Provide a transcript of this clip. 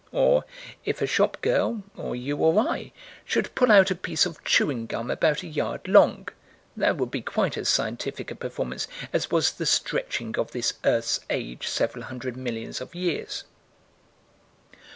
Or, if a shop girl, or you or I, should pull out a piece of chewing gum about a yard long, that would be quite as scientific a performance as was the stretching of this earth's age several hundred millions of years.